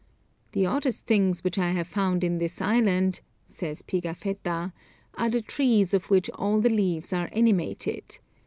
"The oddest things which I have found in this island," says Pigafetta, "are the trees of which all the leaves are animated.